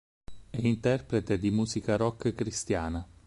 È interprete di musica rock cristiana.